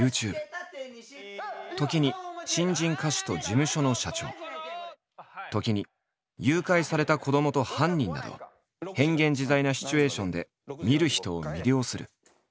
時に新人歌手と事務所の社長時に誘拐された子どもと犯人など変幻自在なシチュエーションで見る人を魅了する。